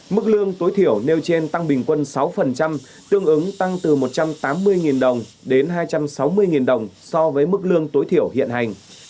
mức lương tối thiểu nêu trên tăng bình quân sáu tương ứng tăng từ một trăm tám mươi đồng đến hai trăm sáu mươi đồng so với mức lương tối thiểu hiện hành